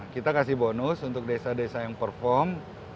kita kasih bonus untuk desa desa yang perform